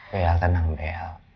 bel tenang bel